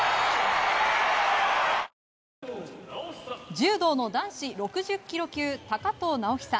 柔道の男子６０ｋｇ級高藤直寿。